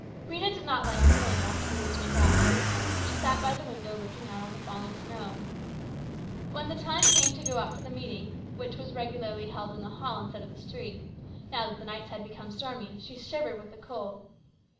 Rhena did not light her lamp after Louise went out. She sat by the window, looking out on the falling snow. When the time came to go out for the meeting, which was held regularly in the hall instead of the street, now that the nights had become stormy, she shivered with the cold.